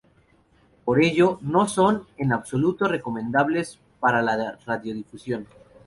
Por ello no son, en absoluto, recomendables para la radiodifusión.